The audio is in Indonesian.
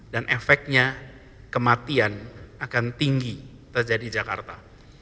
dan efeknya kematian akan tinggi terjadi di jakarta